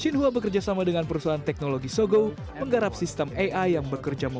xinhua news mengklaim meski presenter virtual tersebut tidak bisa diperkenalkan